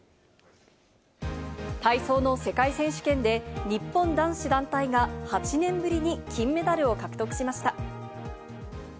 体操の世界選手権で、日本男子団体が８年ぶりに金メダルを獲得しました。